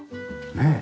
ねえ。